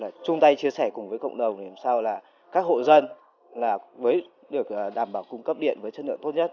là chung tay chia sẻ cùng với cộng đồng làm sao là các hộ dân là với được đảm bảo cung cấp điện với chất lượng tốt nhất